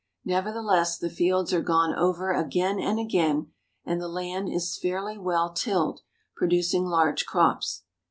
Nevertheless, the fields are gone over again and again, and the land is fairly well tilled, producing large crops.